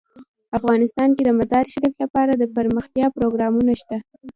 افغانستان کې د مزارشریف لپاره دپرمختیا پروګرامونه شته.